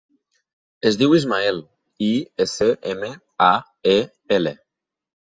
Es diu Ismael: i, essa, ema, a, e, ela.